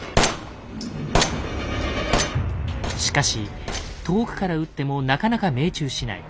しかし遠くから撃ってもなかなか命中しない。